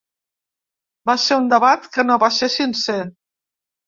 Va ser un debat que no va ser sincer.